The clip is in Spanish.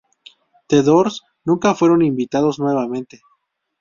The Doors nunca fueron invitados nuevamente.